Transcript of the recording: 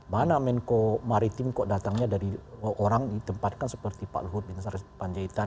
mana menko maritim kok datangnya dari orang ditempatkan seperti pak luhut bin sarpanjaitan